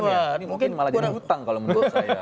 ini mungkin malah dihutang kalau menurut saya